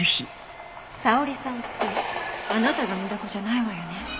沙織さんってあなたが産んだ子じゃないわよね。